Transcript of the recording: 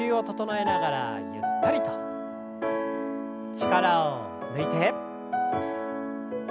力を抜いて。